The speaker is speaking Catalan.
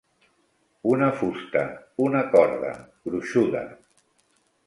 Una fusta, una corda, gruixuda.